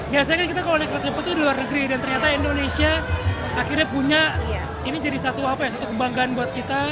biasanya kan kita kalau naik kereta cepat itu di luar negeri dan ternyata indonesia akhirnya punya ini jadi satu apa ya satu kebanggaan buat kita